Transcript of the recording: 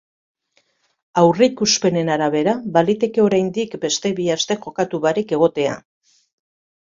Aurreikuspenen arabera, baliteke oraindik beste bi aste jokatu barik egotea.